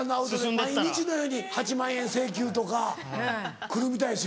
毎日のように８万円請求とか来るみたいですよ。